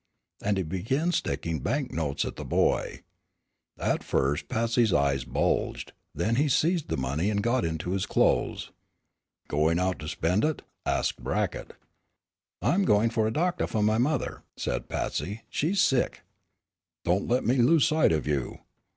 And he began sticking banknotes at the boy. At first Patsy's eyes bulged, and then he seized the money and got into his clothes. "Goin' out to spend it?" asked Brackett. "I'm goin' for a doctah fu' my mother," said Patsy, "she's sick." "Don't let me lose sight of you."